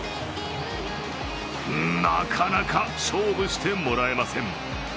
なかなか勝負してもらえません。